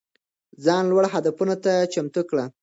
ځان لوړو هدفونو ته چمتو کړه.